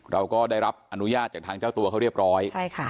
เราก็ได้รับอนุญาตจากทางเจ้าตัวเขาเรียบร้อย